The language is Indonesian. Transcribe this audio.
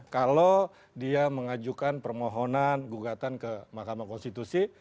kalau dia mengajukan permohonan gugatan ke mahkamah konstitusi